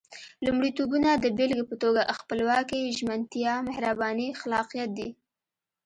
لومړيتوبونه د بېلګې په توګه خپلواکي، ژمنتيا، مهرباني، خلاقيت دي.